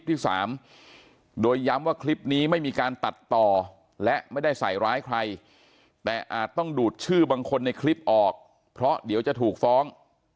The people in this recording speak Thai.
ที่สามโดยย้ำว่าคลิปนี้ไม่มีการตัดต่อและไม่ได้ใส่ร้ายใครแต่อาจต้องดูดชื่อบางคนในคลิปออกเพราะเดี๋ยวจะถูกฟ้อง